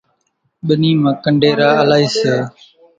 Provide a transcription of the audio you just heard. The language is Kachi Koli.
ٻنِي مان ڪنڍيرا الائِي سي۔